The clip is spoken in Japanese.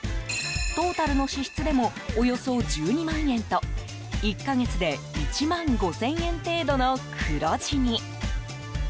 トータルの支出でもおよそ１２万円と１か月で１万５０００円程度の黒字に。